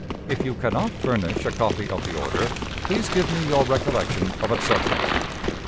If you can not furnish a copy of the order, please give me your recollection of its substance.